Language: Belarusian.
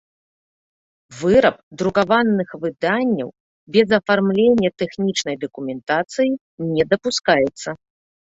Выраб друкаваных выданняў без афармлення тэхнiчнай дакументацыi не дапускаецца.